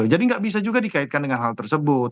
jadi nggak bisa juga dikaitkan dengan hal tersebut